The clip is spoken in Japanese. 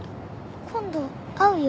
今度会うよ。